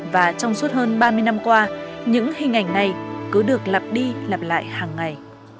và trong suốt hơn ba mươi năm qua những hình ảnh này cứ được lặp đi lặp lại hàng ngày